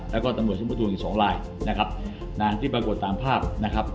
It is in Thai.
แล้วก็ตำรวจสมุทรศูนย์อีก๒ลายนะครับที่ปรากฏตามภาพนะครับ